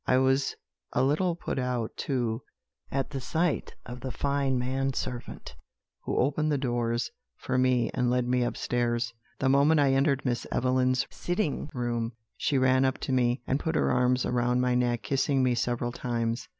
I was a little put out, too, at the sight of the fine man servant who opened the doors for me and led me upstairs. The moment I entered Miss Evelyn's sitting room, she ran up to me, and put her arms around my neck, kissing me several times.